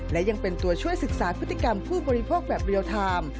และยังเป็นตัวช่วยศึกษาพฤติกรรมผู้บริโภคแบบเรียลไทม์